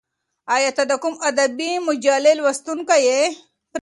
ایا ته د کوم ادبي مجلې لوستونکی یې؟